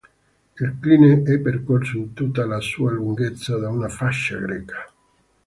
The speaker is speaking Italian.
Il kline è percorso in tutta la sua lunghezza da una fascia greca.